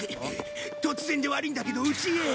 突然で悪いんだけどうちへ。